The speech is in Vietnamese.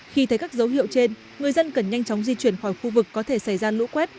khi thấy các dấu hiệu trên người dân cần nhanh chóng di chuyển khỏi khu vực có thể xảy ra lũ quét